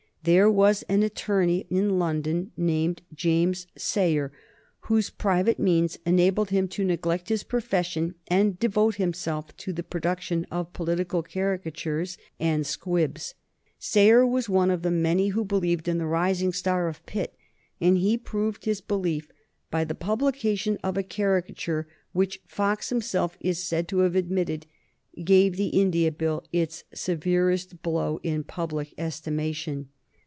There was an attorney in London named James Sayer whose private means enabled him to neglect his profession and devote himself to the production of political caricatures and squibs. Sayer was one of the many who believed in the rising star of Pitt, and he proved his belief by the publication of a caricature which Fox himself is said to have admitted gave the India Bill its severest blow in public estimation.